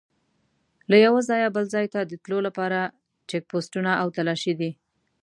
له یوه ځایه بل ځای ته د تلو لپاره چیک پوسټونه او تلاشي دي.